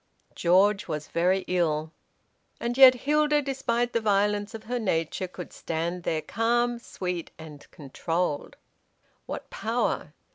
George was very ill. And yet Hilda, despite the violence of her nature, could stand there calm, sweet, and controlled. What power!